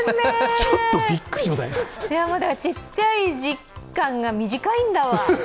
ちっちゃい時間が短いんだわ。